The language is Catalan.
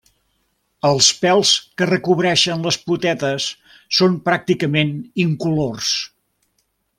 Els pèls que recobreixen les potetes són pràcticament incolors.